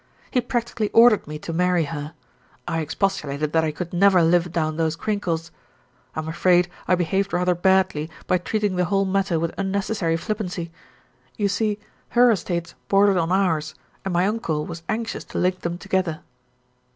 He practically ordered me to marry her. I expostulated that I could never live down those crinkles. I'm afraid I behaved rather badly by treating the whole matter with unnecessary flippancy. You see, her estates bordered on ours, and my uncle was anxious to link them together."